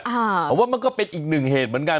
เพราะว่ามันก็เป็นอีกหนึ่งเหตุเหมือนกัน